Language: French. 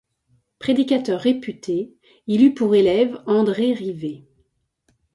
Prédicateur réputé, il eut pour élève André Rivet.